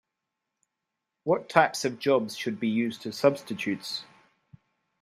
What types of jobs should be used as substitutes?